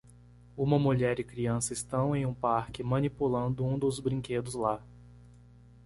Uma mulher e criança estão em um parque manipulando um dos brinquedos lá